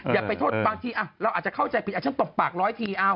อย่าไปโทษบางทีเราอาจจะเข้าใจผิดฉันตบปากร้อยที